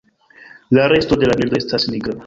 La resto de la birdo estas nigra.